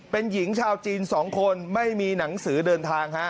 เป็นหญิงชาวจีน๒คนไม่มีหนังสือเดินทางฮะ